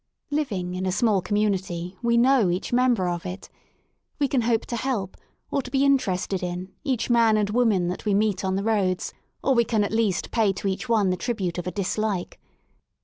Living in a small community we know each member of it. We can hope to help, or to be interested in, each man and woman that we meet on the roads, or we can at least pay to each one the tribute of a dislike.